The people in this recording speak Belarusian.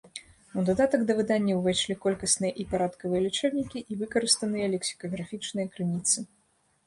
У дадатак да выдання увайшлі колькасныя і парадкавыя лічэбнікі і выкарыстаныя лексікаграфічныя крыніцы.